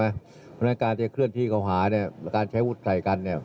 เพราะฉะนั้นการจะเคลื่อนที่เขาหาเนี่ยการใช้วุฒิใส่กันเนี่ย